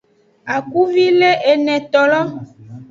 Akuvi le enetolo.